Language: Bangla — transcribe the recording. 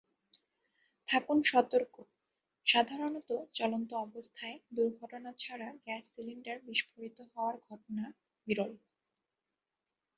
থাকুন সতর্কসাধারণত চলন্ত অবস্থায় দুর্ঘটনা ছাড়া গ্যাস সিলিন্ডার বিস্ফোরিত হওয়ার ঘটনা বিরল।